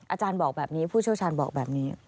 อาจารย์บอกแบบนี้ผู้เชี่ยวชาญบอกแบบนี้